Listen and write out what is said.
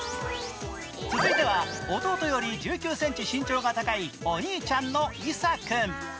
続いては弟より１９ｃｍ身長が低いお兄ちゃんのイサ君。